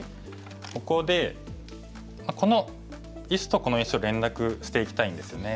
ここでこの石とこの石を連絡していきたいんですよね。